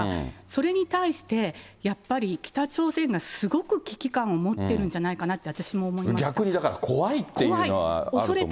それに対してやっぱり、北朝鮮がすごく危機感を持っているんじゃないかなって